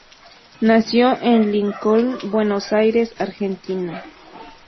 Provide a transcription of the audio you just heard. Nació en Lincoln, Buenos Aires, Argentina.